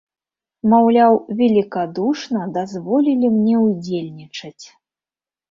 Маўляў, велікадушна дазволілі мне ўдзельнічаць.